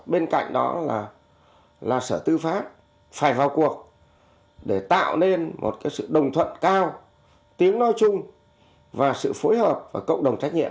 bên cạnh đó là sở tư pháp phải vào cuộc để tạo nên một sự đồng thuận cao tiếng nói chung và sự phối hợp và cộng đồng trách nhiệm